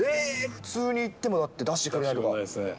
普通にいっても、出してくれないとか。